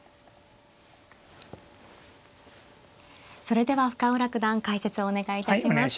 それでは深浦九段解説をお願いいたします。